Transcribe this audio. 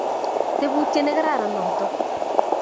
tebutie ne kararan noto